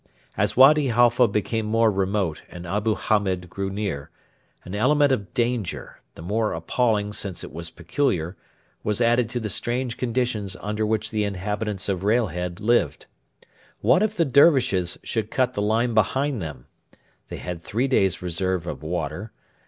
As Wady Halfa became more remote and Abu Hamed grew near, an element of danger, the more appalling since it was peculiar, was added to the strange conditions under which the inhabitants of Railhead lived. What if the Dervishes should cut the line behind them? They had three days' reserve of water.